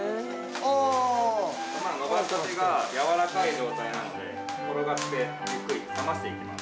◆伸ばしたてがやわらかい状態なので、転がしてゆっくり冷ましていきます。